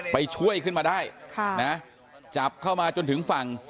ไปช่วยขึ้นมาได้จับเข้ามาจนถึงฝั่ง